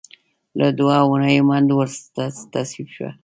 له دوو اونیو منډو وروسته تصویب شوه.